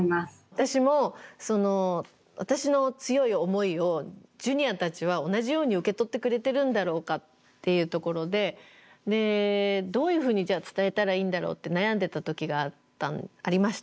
私も私の強い思いをジュニアたちは同じように受け取ってくれてるんだろうかっていうところでどういうふうにじゃあ伝えたらいいんだろうって悩んでた時がありました。